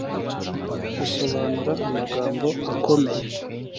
isobanura amagambo akomeye.